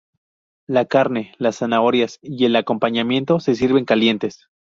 La carne, las zanahorias y el acompañamiento se sirven calientes.